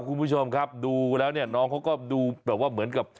คุณผู้ชมครับดูแล้วน้องเขาก็ดูเหมือนกับ